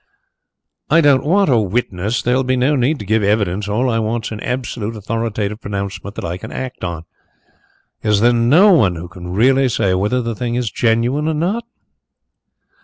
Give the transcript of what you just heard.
"I don't want a witness; there will be no need to give evidence. All I want is an absolutely authoritative pronouncement that I can act on. Is there no one who can really say whether the thing is genuine or not?"